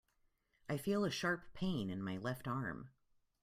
I feel a sharp pain in my left arm.